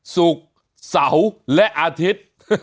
ศุกร์เสาร์และอาทิตย์